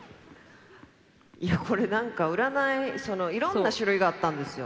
いやこれなんか占いいろんな種類があったんですよ。